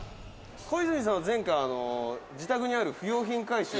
「小泉さんは前回自宅にある不要品回収